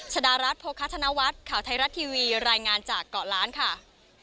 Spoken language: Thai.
ชดารัฐโภคธนวัฒน์ข่าวไทยรัฐทีวีรายงานจากเกาะล้านค่ะ